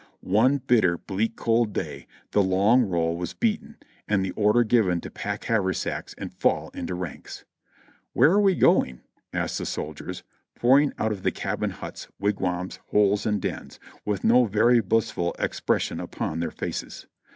One bitter, bleak, cold day the long roll was beaten and the order given to pack haversacks and fall into ranks. "Where are we going?" asked the soldiers, pouring out of the cabin huts, wigwams, holes and dens, with no very blissful ex pression upon their faces.